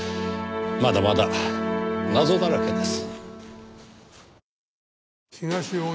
まだまだ謎だらけです。